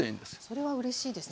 それはうれしいですね。